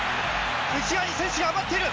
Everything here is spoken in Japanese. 内側に選手が余っている。